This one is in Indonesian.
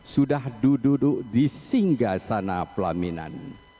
sudah duduk di singgah sana pelaminan